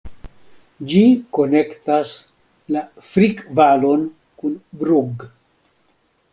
Ĝi konektas la Frick-Valon kun Brugg.